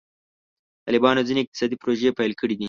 طالبانو ځینې اقتصادي پروژې پیل کړي دي.